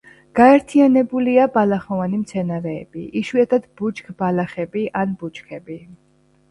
გაერთიანებულია ბალახოვანი მცენარეები, იშვიათად ბუჩქბალახები ან ბუჩქები.